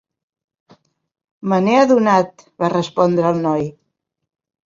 "Me n'he adonat" va respondre el noi.